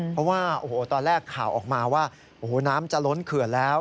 เพราะว่าตอนแรกข่าวออกมาว่าน้ำจะล้นเขื่อนแล้ว